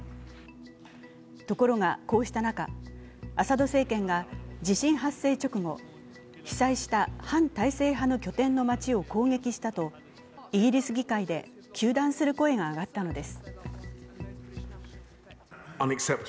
ところが、こうした中、アサド政権が地震発生直後、被災した反体制派の拠点の街を攻撃したとイギリス議会で糾弾する声が上がったのです。